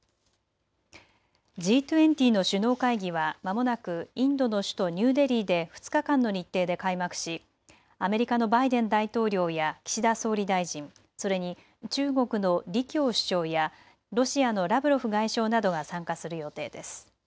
Ｇ２０の首脳会議は、まもなくインドの首都ニューデリーで２日間の日程で開幕しアメリカのバイデン大統領や岸田総理大臣、それに中国の李強首相やロシアのラブロフ外相などが参加する予定です。